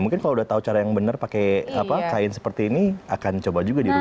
mungkin kalau udah tahu cara yang benar pakai kain seperti ini akan coba juga di rumah